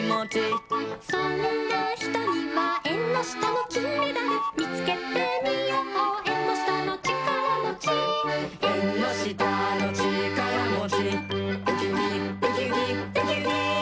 「そんなひとにはえんのしたのきんメダル」「みつけてみようえんのしたのちからもち」「えんのしたのちからもち」「ウキウキウキウキウキウキ」